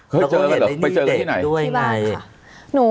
เจอกันหรอไปเจอกันที่ไหน